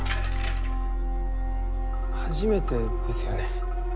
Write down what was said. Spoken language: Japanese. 初めてですよね？